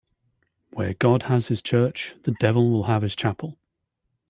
Where God has his church, the devil will have his chapel.